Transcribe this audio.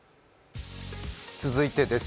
続いてです。